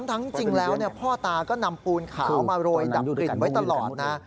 จริงแล้วพ่อตาก็นำปูนขาวมาโรยดับกลิ่นไว้ตลอดนะ